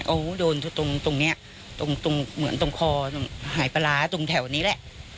เขาโดนตรงเนี้ยตรงตรงเหมือนตรงคอตรงหายปลาร้าตรงแถวนี้แหละ